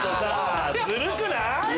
ずるくない？